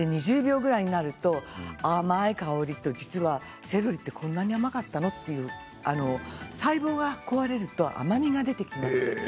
２０秒ぐらいになると甘い香りと実はセロリってこんなに甘かったの？という細胞が壊れると甘みが出てきます。